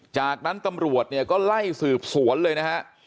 จากนั้นตำรวจเนี่ยก็ไล่สืบสวนเลยนะฮะ